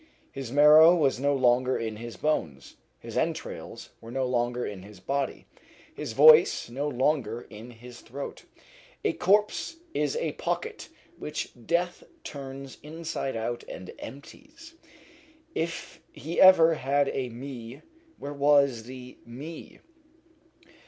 His marrow was no longer in his bones; his entrails were no longer in his body; his voice no longer in his throat. A corpse is a pocket which death turns inside out and empties. If he ever had a Me, where was the Me?